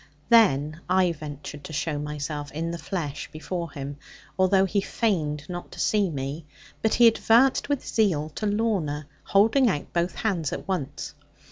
Then I ventured to show myself, in the flesh, before him; although he feigned not to see me; but he advanced with zeal to Lorna; holding out both hands at once.